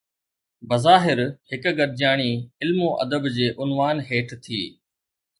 بظاهر هڪ گڏجاڻي علم و ادب جي عنوان هيٺ ٿي.